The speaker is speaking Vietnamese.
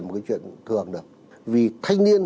một cái chuyện thường được vì thanh niên